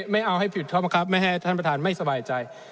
ไม่เอาให้ผิดข้อบังคับไม่ให้ท่านประธานไม่สบายใจ